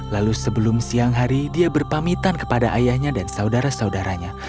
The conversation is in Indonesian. lalu sebelum siang hari dia berpamitan kepada ayahnya dan saudara saudaranya